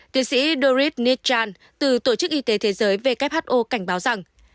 tiến sĩ dorit nijan từ tổ chức y tế thế giới who cảnh báo rằng